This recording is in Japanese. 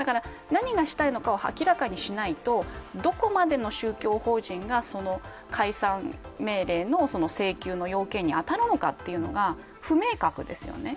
何がしたいのかを明らかにしないとどこまでの宗教法人が解散命令の請求の要件に当たるのか。というのが不明確ですよね。